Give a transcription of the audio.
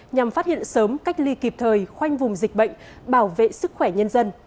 nhằm phát hiện sớm cách ly kịp thời khoanh vùng dịch bệnh bảo vệ sức khỏe nhân dân